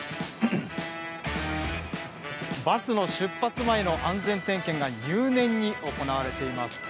バスの出発前の安全点検が入念に行われています。